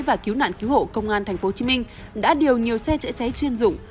và cứu nạn cứu hộ công an tp hcm đã điều nhiều xe chữa cháy chuyên dụng